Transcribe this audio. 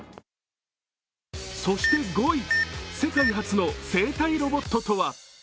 そして５位、世界初の生体ロボットとは？